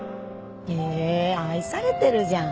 へえ愛されてるじゃん。